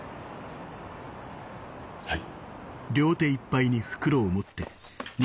はい。